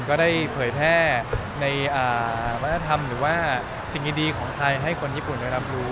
ก็ได้เผยแพร่ในวัฒนธรรมหรือว่าสิ่งดีของไทยให้คนญี่ปุ่นได้รับรู้